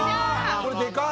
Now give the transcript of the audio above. これでかい。